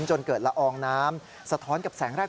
จนเกิดละอองน้ำสะท้อนกับแสงแรก